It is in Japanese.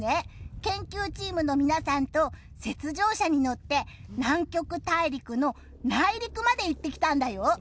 研究チームの皆さんと雪上車に乗って南極大陸の内陸まで行ってきたんだよ。